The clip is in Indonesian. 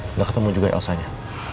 nggak ketemu juga elsa nya